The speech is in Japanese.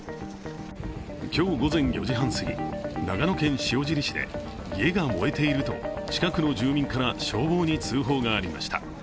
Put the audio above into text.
今日午前４時半すぎ、長野県塩尻市で家が燃えていると近くの住民から消防に通報がありました。